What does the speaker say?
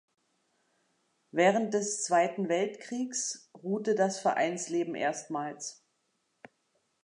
Während des Zweiten Weltkriegs ruhte das Vereinsleben erstmals.